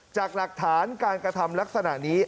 จากหลักฐานการกระทำลักษณะนี้